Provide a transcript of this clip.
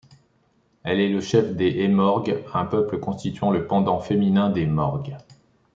Elle est la chef de Eymorgs, un peuple constituant le pendant féminin des Morgs.